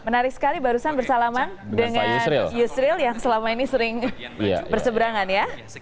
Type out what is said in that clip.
menarik sekali barusan bersalaman dengan yusril yang selama ini sering berseberangan ya